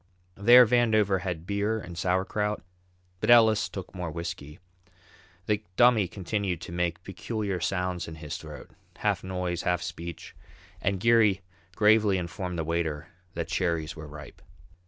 There Vandover had beer and sauerkraut, but Ellis took more whisky. The Dummy continued to make peculiar sounds in his throat, half noise, half speech, and Geary gravely informed the waiter that cherries were ripe.